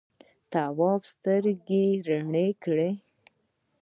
تواب سترګې رڼې کړې.